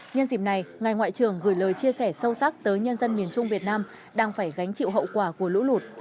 nhân dịp này ngài ngoại trưởng gửi lời chia sẻ sâu sắc tới nhân dân miền trung việt nam đang phải gánh chịu hậu quả của lũ lụt